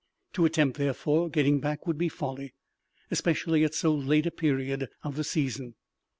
To attempt, therefore, getting back would be folly—especially at so late a period of the season.